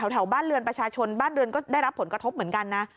แถวบ้านเรือนประชาชนบ้านเรือนก็ได้รับผลกระทบเหมือนกันนะ